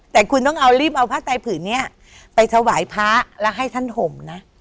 แต่คุณต้องเอารีบเอาผ้าไตผืนนี้ไปถวายพระแล้วให้ท่านห่มนะ